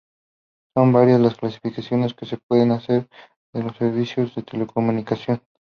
Son varias las clasificaciones que se pueden hacer de los servicios de telecomunicación.